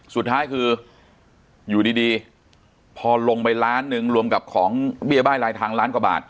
สุดท้ายคืออยู่ดีพอลงไปล้านหนึ่งรวมกับของเบี้ยบ้ายลายทางล้านกว่าบาท